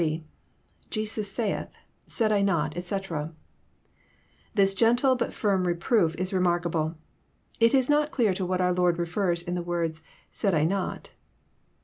— IJesus saith, said I not, etc.'} This gentle but firm reproof j is remarkable. It is not clear to what our Lord refers in the ^ words, " Said I not."